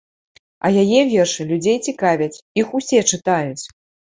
А яе вершы людзей цікавяць, іх усе чытаюць.